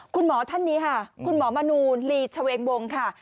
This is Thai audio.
คุณหมอท่านนี้ค่ะคุณหมอมนูลีชเวงวงค่ะ